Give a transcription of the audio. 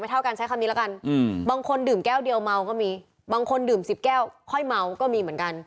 มันท่ามดื่มและเมา